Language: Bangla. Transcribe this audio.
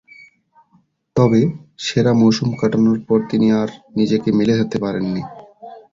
তবে, সেরা মৌসুম কাটানোর পর তিনি আর নিজেকে মেলে ধরতে পারেননি।